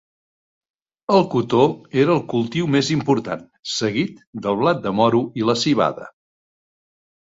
El cotó era el cultiu més important, seguit del blat de moro i la civada.